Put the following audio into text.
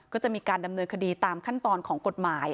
ก็จะมีการดำเนินคดีตามขั้นตอนของกฎหมาย